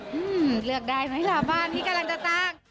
อืมเลือกได้ไหมชาวบ้านที่กำลังจะตั้ง